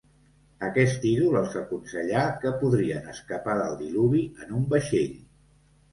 Aquest ídol els aconsellà que podrien escapar del diluvi en un vaixell.